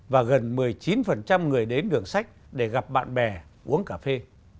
và gần một mươi chín người đến đường sách để gặp bạn bè uống cà phê